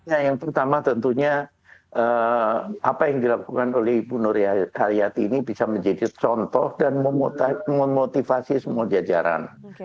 ya yang pertama tentunya apa yang dilakukan oleh ibu nuri haryati ini bisa menjadi contoh dan memotivasi semua jajaran